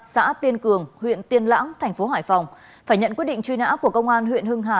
xã tiên cường huyện tiên lãng thành phố hải phòng phải nhận quyết định truy nã của công an huyện hưng hà